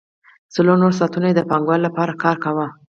څلور نور ساعتونه یې د پانګوال لپاره کار کاوه